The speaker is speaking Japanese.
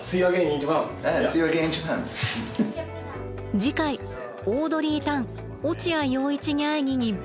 次回「オードリー・タン落合陽一に会いに日本へ」。